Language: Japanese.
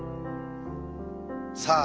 さあ